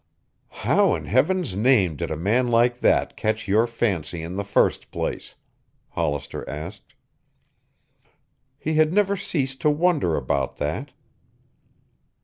"How in heaven's name did a man like that catch your fancy in the first place?" Hollister asked. He had never ceased to wonder about that.